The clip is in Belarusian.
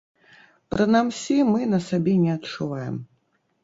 Прынамсі, мы на сабе не адчуваем.